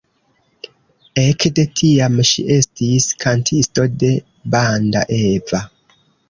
Ekde tiam ŝi estis kantisto de Banda Eva.